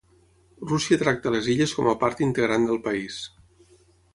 Rússia tracta les illes com a part integrant del país.